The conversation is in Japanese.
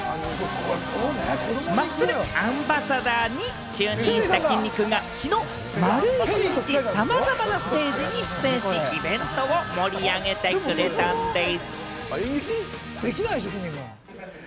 マッスルアンバサダーに就任したきんに君がきのう、丸一日、さまざまなステージに出演し、イベントを盛り上げてくれたんでいす。